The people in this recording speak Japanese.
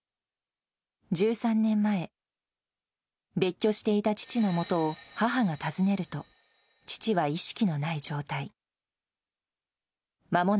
１３年前、別居していた父のもとを母が訪ねると、父は意識のない状態。